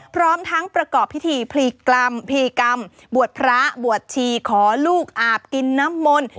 พร้อมทั้งประกอบพิธีพลีกรรมพลีกรรมบวชพระบวชชีขอลูกอาบกินน้ำมนต์